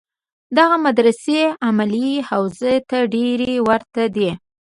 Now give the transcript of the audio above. دغه مدرسې علمیه حوزو ته ډېرې ورته دي.